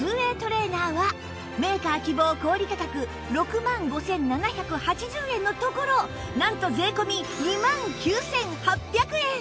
ＷＡＹ トレーナーはメーカー希望小売価格６万５７８０円のところなんと税込２万９８００円